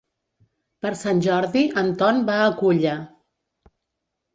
Per Sant Jordi en Ton va a Culla.